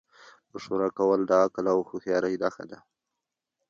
مشوره کول د عقل او هوښیارۍ نښه ده.